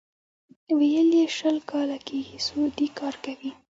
ویل یې شل کاله کېږي سعودي کار کوي.